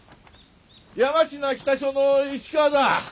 山科北署の石川だ。